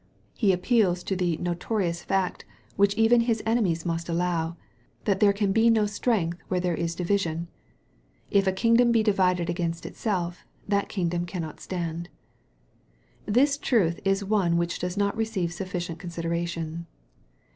He appeals to the notorious fact, which even his enemies must allow, that there can be no strength where there is division. " If a kingdom be divided against itself, that kingdom cannot stand." This truth is one which does not receive sufficient con sideration.